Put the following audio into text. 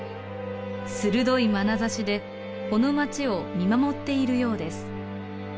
鋭いまなざしでこの町を見守っているようです。